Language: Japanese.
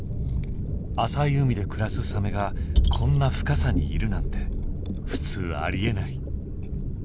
浅い海で暮らすサメがこんな深さにいるなんて普通ありえない。